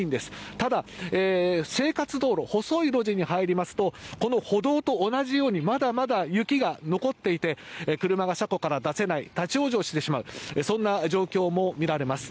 ただ、生活道路細い路地に入りますとこの歩道と同じようにまだまだ雪が残っていて車が車庫から出せない立ち往生してしまうそんな状況も見られます。